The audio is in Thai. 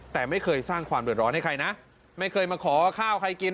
แต่ไม่เคยสร้างความเดือดร้อนให้ใครนะไม่เคยมาขอข้าวใครกิน